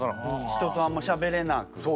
人とあんましゃべれなくて。